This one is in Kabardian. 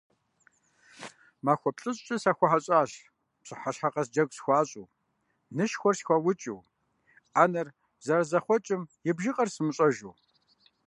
Махуэ плӀыщӀкӀэ сахуэхьэщӀащ, пщыхьэщхьэ къэс джэгу схуащӀу, нышхэр схуаукӀыу, Ӏэнэр зэрызэрахъуэкӏым и бжыгъэр сымыщӏэжу.